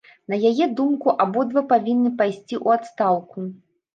На яе думку, абодва павінны пайсці ў адстаўку.